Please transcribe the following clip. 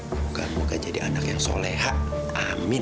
moga moga jadi anak yang soleha amin